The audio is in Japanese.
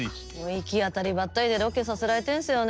行き当たりばったりでロケさせられてんすよね。